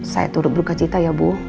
saya turut berukacita ya bu